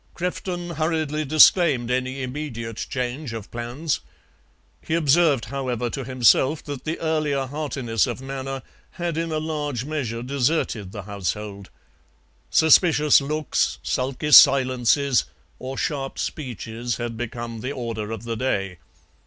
Crefton hurriedly disclaimed any immediate change of plans; he observed, however, to himself that the earlier heartiness of manner had in a large measure deserted the household. Suspicious looks, sulky silences, or sharp speeches had become the order of the day.